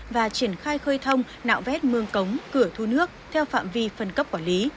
và triển khai khơi thông nạo vét mương cống cửa thu nước theo phạm vi phân cấp quản lý